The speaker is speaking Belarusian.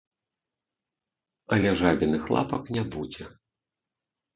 Але жабіных лапак не будзе.